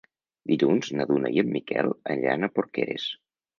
Dilluns na Duna i en Miquel aniran a Porqueres.